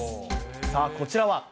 さあ、こちらは。